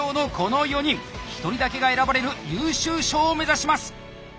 １人だけが選ばれる優秀賞を目指します！